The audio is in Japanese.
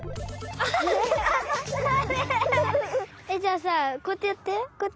えっじゃあさこうやってやって。